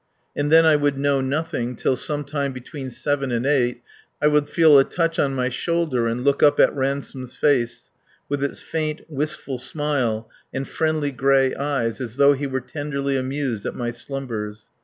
And then I would know nothing till, some time between seven and eight, I would feel a touch on my shoulder and look up at Ransome's face, with its faint, wistful smile and friendly, gray eyes, as though he were tenderly amused at my slumbers.